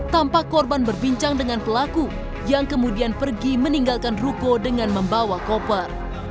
tampak korban berbincang dengan pelaku yang kemudian pergi meninggalkan ruko dengan membawa koper